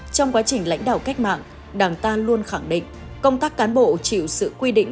trong quá trình lãnh đạo cách mạng đảng ta luôn khẳng định công tác cán bộ chịu sự quy định